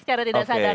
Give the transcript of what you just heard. karena tidak sadar